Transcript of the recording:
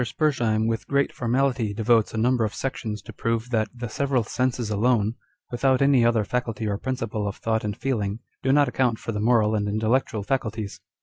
Spurzhcim with great formality devotes a number of sections to prove that the several senses alone, without any other faculty or principle of thought and feeling, do not account for the moral and intellectual faculties.